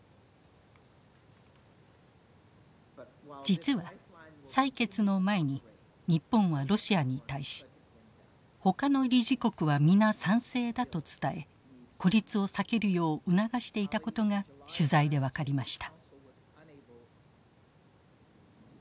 実は採決の前に日本はロシアに対し「他の理事国はみな賛成だ」と伝え孤立を避けるよう促していたことが取材で分かりました。